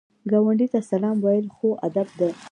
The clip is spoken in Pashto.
ګاونډي ته سلام ویل ښو ادب دی